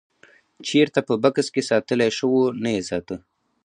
چېرته په بکس کې ساتلی شوو نه یې ساته.